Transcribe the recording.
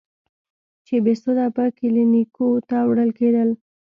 چې بېسده به کلينيکو ته وړل کېدل.